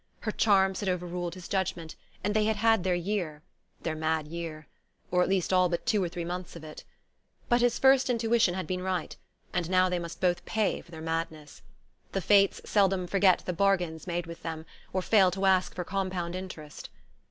Her charms had overruled his judgment, and they had had their year... their mad year... or at least all but two or three months of it. But his first intuition had been right; and now they must both pay for their madness. The Fates seldom forget the bargains made with them, or fail to ask for compound interest.